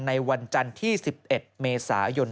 ในวันจันทร์ที่๑๑เมษายน